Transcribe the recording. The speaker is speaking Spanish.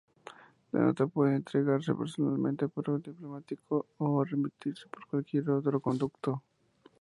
La nota puede entregarse personalmente por un diplomático o remitirse por cualquier otro conducto.